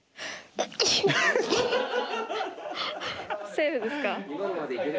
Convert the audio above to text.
セーフですか？